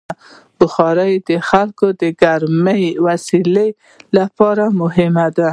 بخاري د خلکو د ګرم ساتلو لپاره مهمه ده.